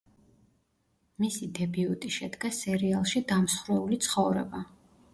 მისი დებიუტი შედგა სერიალში „დამსხვრეული ცხოვრება“.